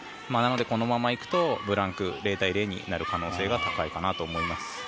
なので、このままいくとブランク０対０になる可能性が高いかなと思います。